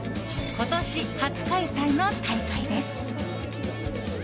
今年初開催の大会です。